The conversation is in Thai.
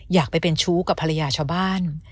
อยากไปเป็นชู้กับภรรยาชาวบ้าน